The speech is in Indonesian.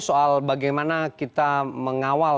soal bagaimana kita mengawal